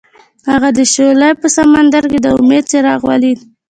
هغه د شعله په سمندر کې د امید څراغ ولید.